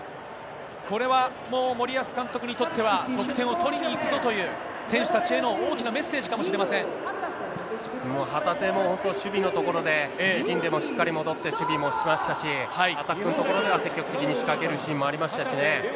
これはもう、森保監督にとっては、得点を取りにいくぞという、選手たちへの大きなメッセージかもう、旗手も本当、守備の所で自陣でもしっかり戻って、守備もしましたし、アタックのところでは積極的に仕掛けるシーンもありましたしね。